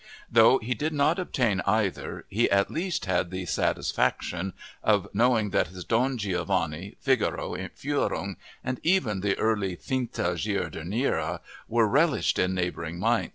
Though he did not obtain either, he at least had the satisfaction of knowing that his Don Giovanni, Figaro, Entführung, and even the early Finta giardiniera, were relished in neighboring Mainz.